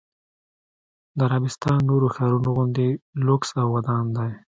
د عربستان نورو ښارونو غوندې لوکس او ودان دی.